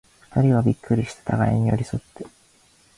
二人はびっくりして、互に寄り添って、